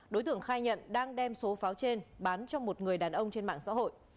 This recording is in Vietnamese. đối tượng khai nhận đang đem số pháo trên bán cho một người đàn ông trên mạng xã hội